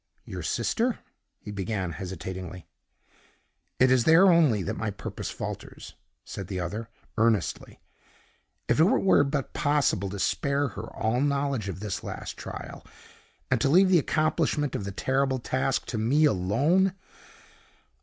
"Your sister?" he began, hesitatingly. "It is there only that my purpose falters," said the other, earnestly. "If it were but possible to spare her all knowledge of this last trial, and to leave the accomplishment of the terrible task to me alone?"